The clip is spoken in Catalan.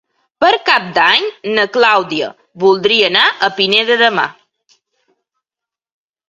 Per Cap d'Any na Clàudia voldria anar a Pineda de Mar.